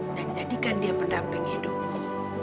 dan jadikan dia pendamping hidupmu